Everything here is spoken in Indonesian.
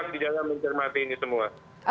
saya mencermati ini semua